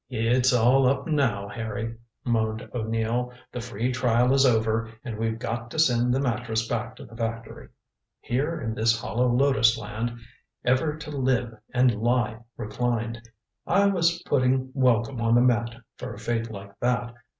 "It's all up now, Harry," moaned O'Neill. "The free trial is over and we've got to send the mattress back to the factory. Here in this hollow lotus land, ever to live and lie reclined I was putting welcome on the mat for a fate like that.